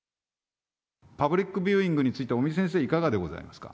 パブリックビューイングについて、尾身先生、いかがでございますか？